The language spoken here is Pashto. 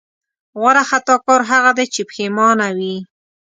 غوره خطاکار هغه دی چې پښېمانه وي.